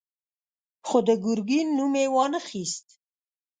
خو د ګرګين نوم يې وانه خيست.